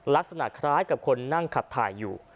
ลักษณะคล้ายกับคนนั่งขับถ่ายอยู่